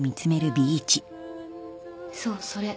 そうそれ